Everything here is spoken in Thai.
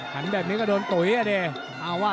หันแบบนี้ก็โดนตุ๋ยอ่ะดิ